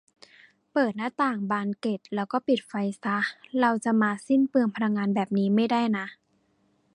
เปิดหน้าต่างบานเกล็ดแล้วก็ปิดไฟซะ เราจะมาสิ้นเปลืองพลังงานแบบนี้ไม่ได้นะ